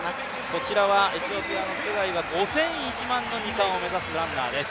こちらはエチオピアのツェガイは５０００、１００００ｍの２冠を目指すランナーです。